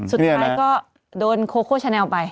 สุดท้ายก็โดนโคโคชาแนลไป